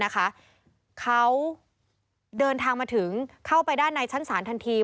เขาเดินทางมาถึงเข้าไปด้านในชั้นศาลทันที